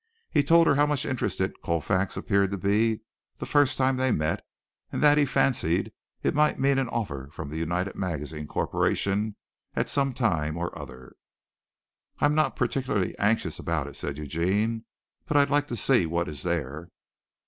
He told her how much interested Colfax appeared to be the first time they met and that he fancied it might mean an offer from the United Magazines Corporation at some time or other. "I'm not particularly anxious about it," said Eugene, "but I'd like to see what is there."